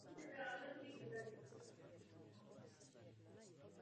Lze se pak divit, že euroskepticismus je na vzestupu?